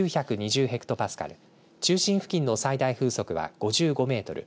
ヘクトパスカル中心付近の最大風速は５５メートル